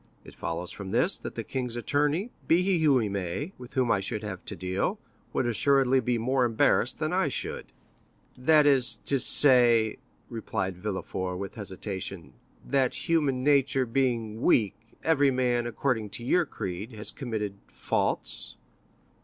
It follows from this, that the king's attorney, be he who he may, with whom I should have to deal, would assuredly be more embarrassed than I should." "That is to say," replied Villefort with hesitation, "that human nature being weak, every man, according to your creed, has committed faults."